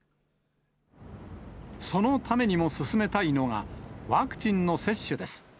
そのためにも進めたいのが、ワクチンの接種です。